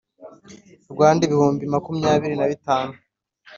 Rwanda ibihumbi makumyabiri na bitanu